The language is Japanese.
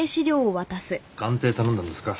鑑定頼んだんですか？